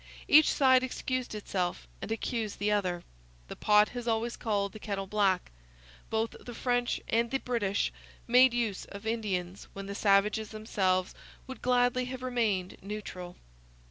Each side excused itself and accused the other. The pot has always called the kettle black. Both the French and the British made use of Indians when the savages themselves would gladly have remained neutral.